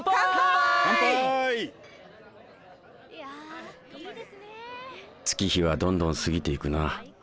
心の声月日はどんどん過ぎていくな。